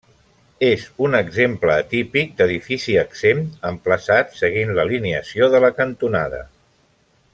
És un exemple atípic d'edifici exempt, emplaçat seguint l'alineació de la cantonada.